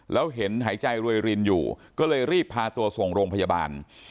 แล้วเห็นหายใจรวยรินอยู่ก็เลยรีบพาตัวส่งโรงพยาบาล